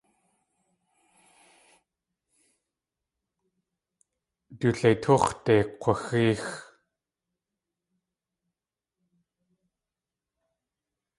Du leitóox̲de kg̲waxéex.